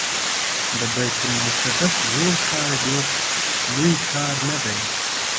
د بیت المقدس زوړ ښار ډېر لوی ښار نه دی.